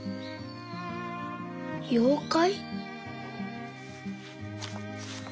妖怪？